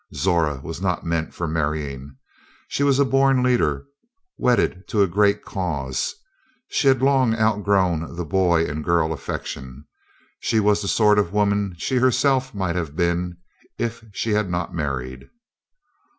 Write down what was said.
Zora was not meant for marrying; she was a born leader, wedded to a great cause; she had long outgrown the boy and girl affection. She was the sort of woman she herself might have been if she had not married.